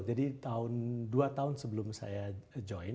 jadi dua tahun sebelum saya join